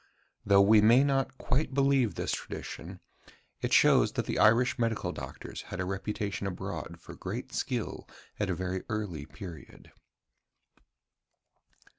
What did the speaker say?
Though we may not quite believe this tradition, it shows that the Irish medical doctors had a reputation abroad for great skill at a very early period.